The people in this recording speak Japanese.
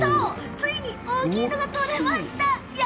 ついに大きいのが取れました！